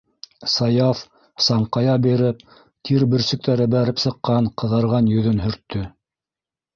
- Саяф, саңҡая биреп, тир бөрсөктәре бәреп сыҡҡан ҡыҙарған йөҙөн һөрттө.